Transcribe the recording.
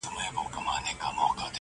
لکه ګُل د کابل حورو به څارلم٫